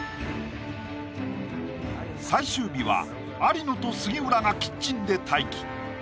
最終日は有野と杉浦がキッチンで待機